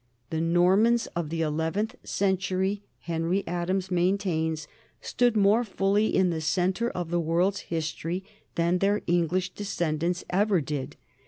The Normans of the eleventh century, Henry Adams maintains, stood more fully in the centre of the world's history than their English descendants ever did.